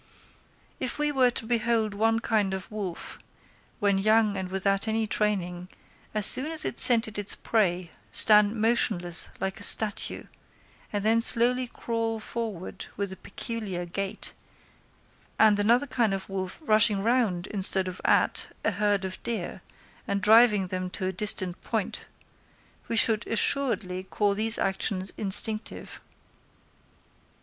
If we were to behold one kind of wolf, when young and without any training, as soon as it scented its prey, stand motionless like a statue, and then slowly crawl forward with a peculiar gait; and another kind of wolf rushing round, instead of at, a herd of deer, and driving them to a distant point, we should assuredly call these actions instinctive.